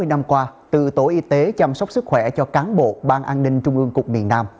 hai mươi năm qua từ tổ y tế chăm sóc sức khỏe cho cán bộ ban an ninh trung ương cục miền nam